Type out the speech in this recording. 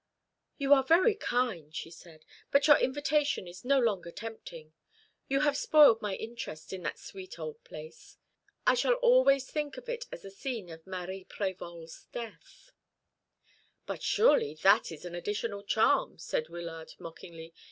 "You are very kind," she said, "but your invitation is no longer tempting. You have spoiled my interest in that sweet old place. I shall always think of it as the scene of Marie Prévol's death." "But surely that is an additional charm," said Wyllard mockingly.